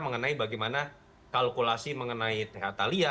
mengenai bagaimana kalkulasi mengenai tengah thalia